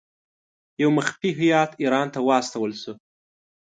یو مخفي هیات ایران ته واستاوه شو.